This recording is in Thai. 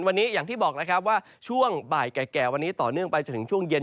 วันนี้อย่างที่บอกแล้วครับว่าช่วงบ่ายแก่วันนี้ต่อเนื่องไปจนถึงช่วงเย็น